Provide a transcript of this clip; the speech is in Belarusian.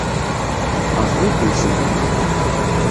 А гуку ўсё няма.